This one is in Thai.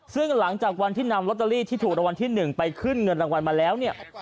ซึ่งหลังจากวันที่นำลอตเตอรี่ที่ถูกรางวัลที่๑ไปขึ้นเงินรางวัลมาแล้วเนี่ย